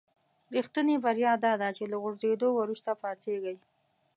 رښتینې بریا داده چې له غورځېدلو وروسته پاڅېږئ.